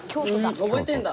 覚えてるんだ。